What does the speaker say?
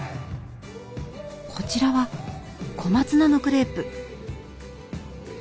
こちらは小松菜のクレープ。